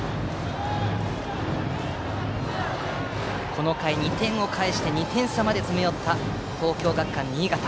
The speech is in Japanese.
この回、２点を返して２点差まで詰め寄った東京学館新潟。